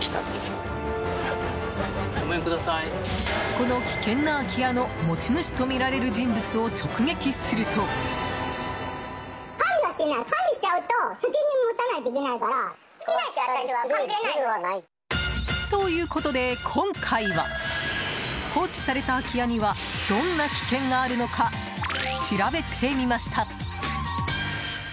この危険な空き家の持ち主とみられる人物を直撃すると。ということで今回は放置された空き家にはどんな危険があるのか調べてみました。